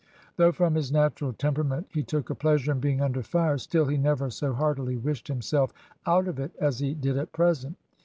Though from his natural temperament he took a pleasure in being under fire, still he never so heartily wished himself out of it as he did at present.